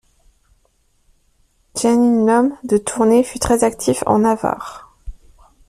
Janin Lomme de Tournai fut très actif en Navarre.